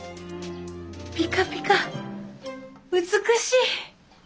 ピカピカ美しい。